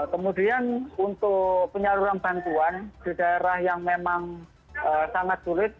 kemudian untuk penyaluran bantuan di daerah yang memang sangat sulit